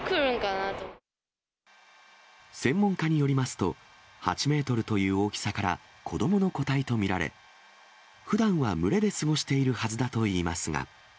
専門家によりますと、８メートルという大きさから、子どもの個体と見られ、ふだんは群れで過ごしているはずだといいますが。